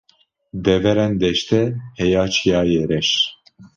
Deverên deştê heya Çiyayê reş